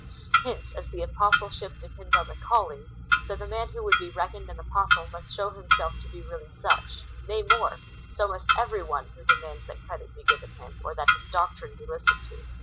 Hence, as the apostleship dej)ends on the calling, so the man who would be reckoned an apostle, must show himself to be really such : nay more, so must every one who demands that credit be given him, or that his doctrine be listened to.